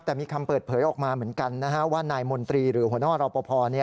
แต่มีคำเปิดเผยออกมาเหมือนกันว่านายมนตรีหรือหัวหน้ารอปภ